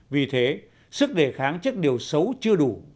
vì thế sức đề kháng trước điều xấu chưa đủ